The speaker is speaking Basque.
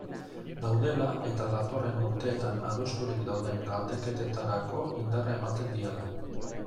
Daudela eta datorren urteetan adosturik dauden galdeketetarako indarra ematen diela.